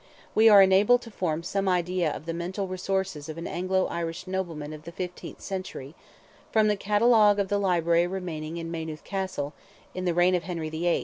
We are enabled to form some idea of the mental resources of an Anglo Irish nobleman of the fifteenth century, from the catalogue of the library remaining in Maynooth Castle, in the reign of Henry VIII.